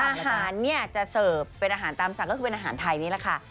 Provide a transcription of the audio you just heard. อาหารจะส่ึบเป็นอาหารตามสั่งก็คือเป็นอาหารไทยนี่แหละค่ะ